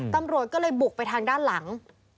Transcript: ตำรวจก็เลยบุกไปทางด้านหลัง